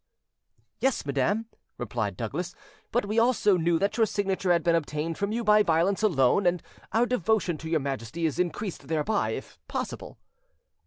"Yes, madam," replied Douglas; "but we also knew that your signature had been obtained from you by violence alone, and our devotion to your Majesty is increased thereby, if possible."